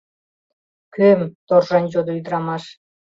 — Кӧм? — торжан йодо ӱдырамаш.